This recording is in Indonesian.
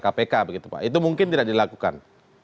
kpk begitu pak itu mungkin tidak dilakukan